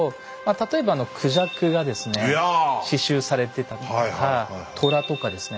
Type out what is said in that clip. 例えばクジャクがですね刺しゅうされてたりとか虎とかですね。